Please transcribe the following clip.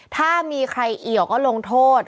ถ้ามีใครเอี่ยวก็ลงโทษ